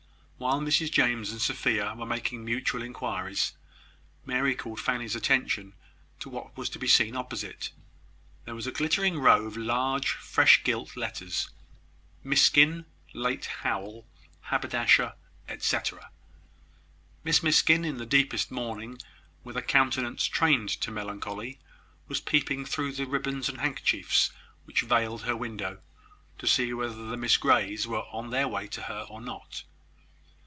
While Mrs James and Sophia were making mutual inquiries, Mary called Fanny's attention to what was to be seen opposite. There was a glittering row of large, freshly gilt letters "Miskin, late Howell, Haberdasher, etcetera." Miss Miskin, in the deepest mourning, with a countenance trained to melancholy, was peeping through the ribbons and handkerchiefs which veiled her window, to see whether the Miss Greys were on their way to her or not.